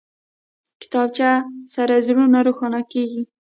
کتابچه سره زړونه روښانه کېږي